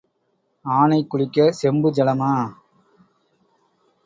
ஆனை குளிக்கச் செம்பு ஜலமா?